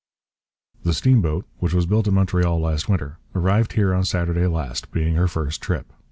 The Steam Boat, which was built at Montreal last winter, arrived here on Saturday last, being her first trip.